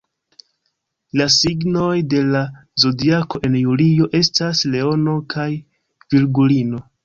La signoj de la Zodiako en julio estas Leono kaj Virgulino.